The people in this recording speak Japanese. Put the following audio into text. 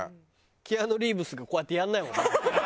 キアヌ・リーブスがこうやってやらないもんね。